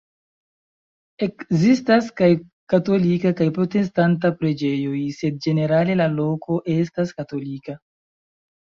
Ekzistas kaj katolika kaj protestanta preĝejoj, sed ĝenerale la loko estas katolika.